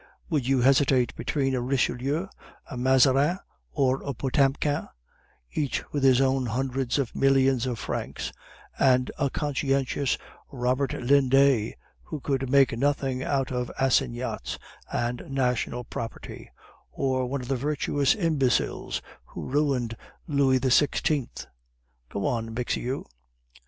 Would you hesitate between a Richelieu, a Mazarin, or a Potemkin, each with his hundreds of millions of francs, and a conscientious Robert Lindet that could make nothing out of assignats and national property, or one of the virtuous imbeciles who ruined Louis XVI.? Go on, Bixiou."